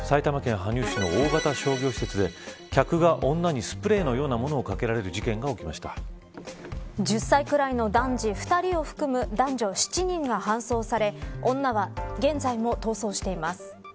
続いては昨日、夜埼玉県羽生市の大型商業施設で客が女にスプレーのようなものを１０歳ぐらいの男児２人を含む男女７人が搬送され女は現在も逃走しています。